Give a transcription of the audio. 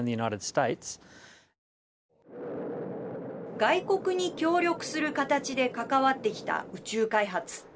外国に協力する形で関わってきた宇宙開発。